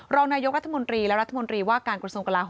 รองนายกรัฐมนตรีและรัฐมนตรีว่าการกระทรวงกลาโห